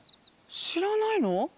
しらないの？